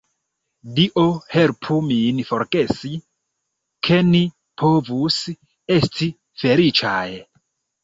Dio helpu min forgesi, ke ni povus esti feliĉaj!